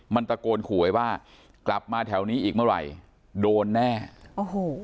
มันตะโกนขู่ไว้ว่ากลับมาแถวนี้อีกเมื่อไหร่โดนแน่โอ้โห